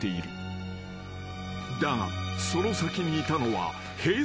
［だがその先にいたのはＨｅｙ！